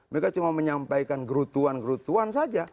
mereka cuma menyampaikan gerutuan gerutuan saja